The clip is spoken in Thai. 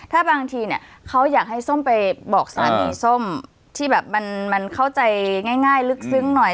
ถ้าบางทีเนี่ยเขาอยากให้ส้มไปบอกสารดีส้มที่แบบมันเข้าใจง่ายลึกซึ้งหน่อย